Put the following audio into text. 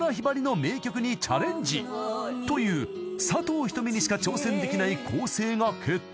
［という佐藤仁美にしか挑戦できない構成が決定］